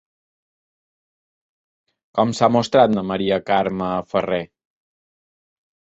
Com s'ha mostrat Maria Carme Ferrer?